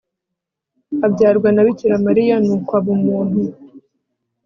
abyarwa na bikira mariya nukw'ab'umuntu